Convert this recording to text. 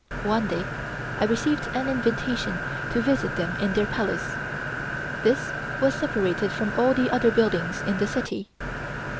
One day I received an invitation to visit them in their Palace. This was separated from all the other buildings in the city.